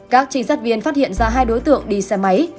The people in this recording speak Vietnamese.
các trinh sát viên phát hiện ra hai đối tượng đi xe máy